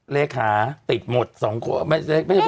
เลขาติดหมด๒คน